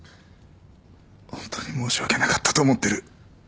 本当に申し訳なかったと思ってる。